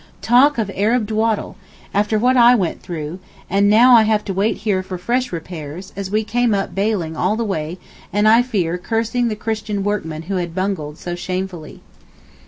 Talk of Arab dawdle! after what I went through—and now I have to wait here for fresh repairs, as we came up baling all the way and I fear cursing the Christian workmen who had bungled so shamefully.